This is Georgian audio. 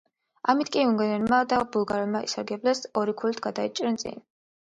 ამით კი უნგრელებმა და ბულგარელებმა ისარგებლეს და ორი ქულით გაიჭრნენ წინ.